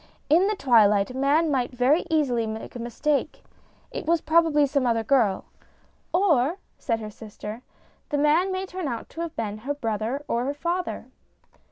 In the twilight a man might very easily make a mistake it was probably some other girl." " Or," said her sister, " the man may turn out to have been her brother or her father."